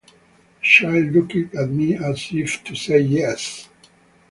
The child looked at me as if to say yes.